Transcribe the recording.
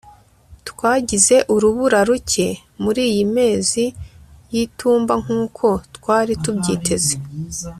twagize urubura ruke muriyi mezi y'itumba nkuko twari tubyiteze